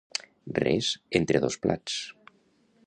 Res entre dos plats.